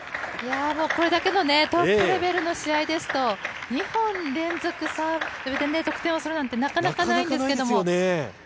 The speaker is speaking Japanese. これだけのレベルの試合ですと２本連続、サーブで得点なんてなかなかないんですけれども。